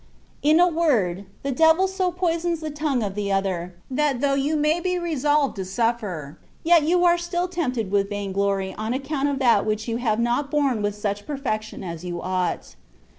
In a word, the devil so poisons the tongue of the other, that though you may be resolved to suffer, yet you are still tempted with vain glory on account of that which you have not borne with such perfection as you ought.